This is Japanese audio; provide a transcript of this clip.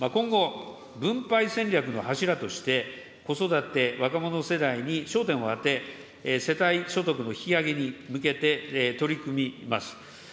今後、分配戦略の柱として、子育て、若者世代に焦点を当て、世帯所得の引き上げに向けて取り組みます。